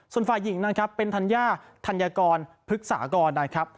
ส่วนฝ่ายหญิงนะครับเป็นธัญญาธัญกรพฤกษากรนะครับ